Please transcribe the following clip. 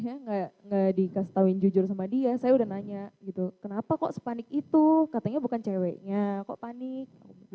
saya nggak dikasih tahuin jujur sama dia saya udah nanya gitu kenapa kok sepanik itu katanya bukan ceweknya kok panik